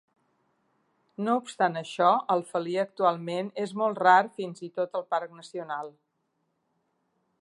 No obstant això, el felí actualment és molt rar fins i tot al parc nacional.